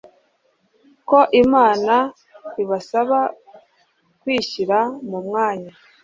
ko Imana ibasaba kwishyira mu mwanya